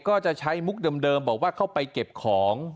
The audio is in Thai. ก็จะใช้มุกเดิมบอกว่าเข้าไปเก็บของ